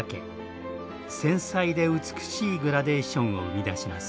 繊細で美しいグラデーションを生み出します。